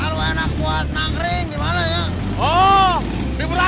aku mungkin akan bang squeezie